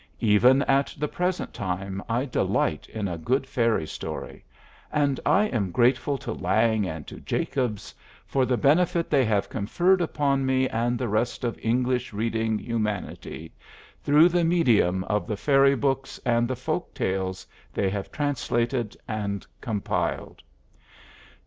Even at the present time I delight in a good fairy story, and I am grateful to Lang and to Jacobs for the benefit they have conferred upon me and the rest of English reading humanity through the medium of the fairy books and the folk tales they have translated and compiled.